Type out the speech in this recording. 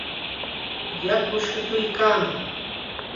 Yaku shutuykaamun.